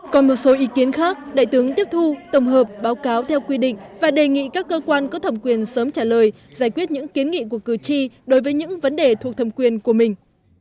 còn một số ý kiến khác đại tướng tiếp thu tổng hợp báo cáo theo quy định và đề nghị các cơ quan có thẩm quyền sớm trả lời giải quyết những kiến nghị của cử tri đối với những vấn đề thuộc thẩm quyền của mình